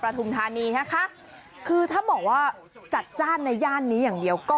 ทุมธานีนะคะคือถ้าบอกว่าจัดจ้านในย่านนี้อย่างเดียวก็